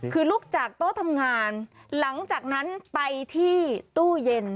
คือลุกจากโต๊ะทำงานหลังจากนั้นไปที่ตู้เย็น